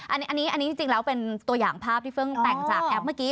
อันนี้จริงแล้วเป็นตัวอย่างภาพที่เพิ่งแต่งจากแอปเมื่อกี้